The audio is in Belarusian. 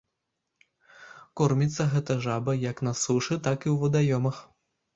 Корміцца гэта жаба як на сушы, так і ў вадаёмах.